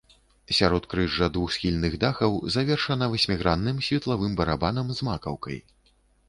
Сяродкрыжжа двухсхільных дахаў завершана васьмігранным светлавым барабанам з макаўкай.